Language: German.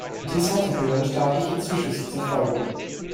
Dies hatte höhere staatliche Zuschüsse zur Folge.